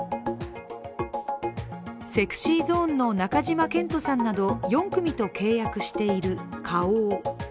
ＳｅｘｙＺｏｎｅの中島健人さんなど４組と契約している花王。